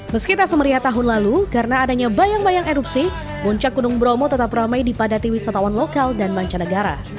meski tak semeriah tahun lalu karena adanya bayang bayang erupsi puncak gunung bromo tetap ramai dipadati wisatawan lokal dan mancanegara